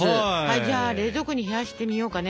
じゃあ冷蔵庫に冷やしてみようかね。